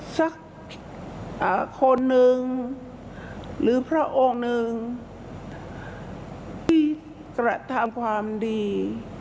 สักคนหนึ่งหรือพระองค์หนึ่งที่กระทำความดี